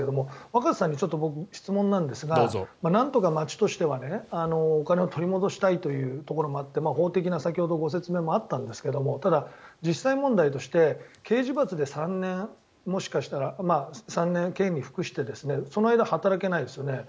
若狭さんに僕、質問ですがなんとか町としてはお金を取り戻したいというところもあって法的な先ほどご説明もあったんですがただ、実際問題として刑事罰で３年、もしかしたら３年、刑に服してその間働けないですよね。